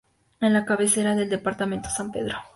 Es la cabecera del departamento San Pedro.